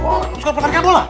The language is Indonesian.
top score penarikan bola